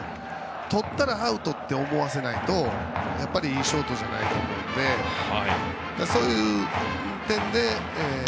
とったらアウトって思わせないといいショートじゃないと思うのでそういう点で。